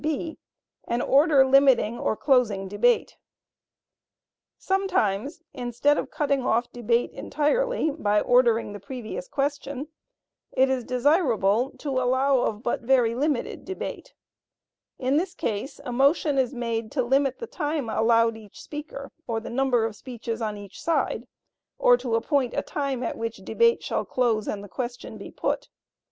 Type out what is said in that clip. (b) An order limiting or closing debate. Sometimes, instead of cutting off debate entirely by ordering the previous question, it is desirable to allow of but very limited debate. In this case, a motion is made to limit the time allowed each speaker or the number of speeches on each side, or to appoint a time at which debate shall close and the question be put.